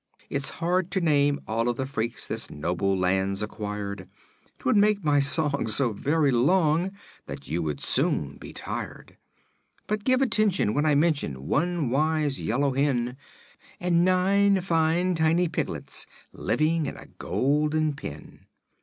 It's hard to name all of the freaks this noble Land's acquired; 'Twould make my song so very long that you would soon be tired; But give attention while I mention one wise Yellow Hen And Nine fine Tiny Piglets living in a golden pen.